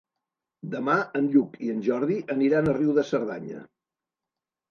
Demà en Lluc i en Jordi aniran a Riu de Cerdanya.